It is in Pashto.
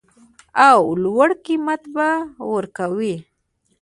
او لوړ قیمت به ورکوي